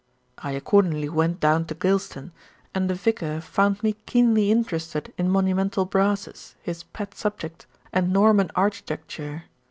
"I accordingly went down to Gylston, and the vicar found me keenly interested in monumental brasses, his pet subject, and Norman architecture.